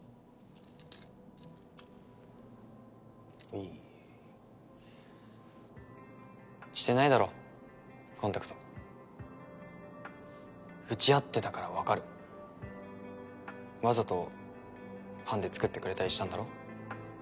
はいしてないだろコンタクト打ち合ってたからわかるわざとハンデ作ってくれたりしたんだろ？